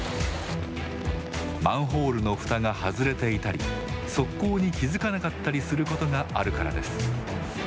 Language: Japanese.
マンホールのふたが外れていたり側溝に気付かなかったりすることがあるからです。